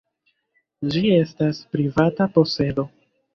Ĝi estas privata posedo.